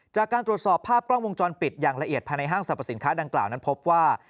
จากการตรวจสอบภาพกล้องวงจรปิดอย่างละเอียดภายในห้างสรรพสินค้าดังกล่าวนั้นพบว่า